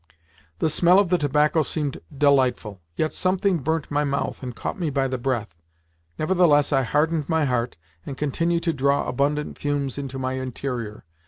The smell of the tobacco seemed delightful, yet something burnt my mouth and caught me by the breath. Nevertheless, I hardened my heart, and continued to draw abundant fumes into my interior.